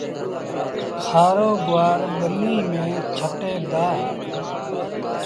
کآرو گُوآر ٻنيٚ ميݩ ڇٽيٚن دآ